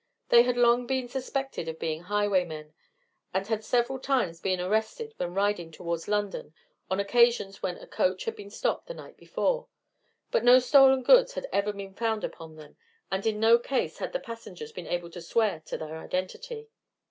They had long been suspected of being highwaymen, and had several times been arrested when riding towards London on occasions when a coach had been stopped the night before, but no stolen goods had ever been found upon them, and in no case had the passengers been able to swear to their identity.